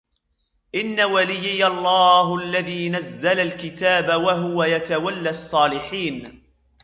إِنَّ وَلِيِّيَ اللَّهُ الَّذِي نَزَّلَ الْكِتَابَ وَهُوَ يَتَوَلَّى الصَّالِحِينَ